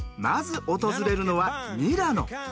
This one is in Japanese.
まず訪れるのはミラノ。